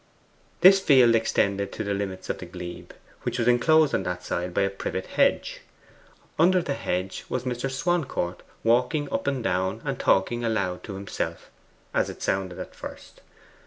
This field extended to the limits of the glebe, which was enclosed on that side by a privet hedge. Under the hedge was Mr. Swancourt, walking up and down, and talking aloud to himself, as it sounded at first.